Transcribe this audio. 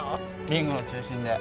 リングの中心で。